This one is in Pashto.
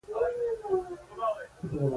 چای له ارامۍ سره تړلی دی.